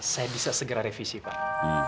saya bisa segera revisi pak